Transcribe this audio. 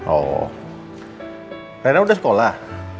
oh rena udah sekolah